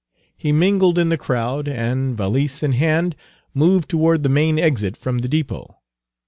He mingled in the crowd, and, valise in hand, moved toward the main exit from the depot.